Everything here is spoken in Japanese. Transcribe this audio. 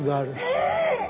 えっ！